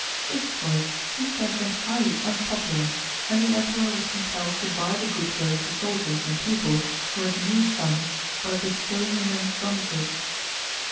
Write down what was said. This choice seems to have bern highly un popular, and the Emperor was compelled to buy the goodwill of the soldiers and people for his new son by bestowing immense donatives.